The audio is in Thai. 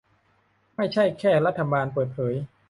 ไม่ใช่แค่รัฐบาลเปิดเผย